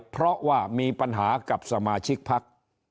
เพราะว่ามีปัญหากับสมาชิกพัก